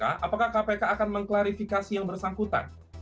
apakah kpk akan mengklarifikasi yang bersangkutan